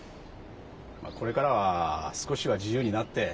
これからは少しは自由になって人生を楽しめ。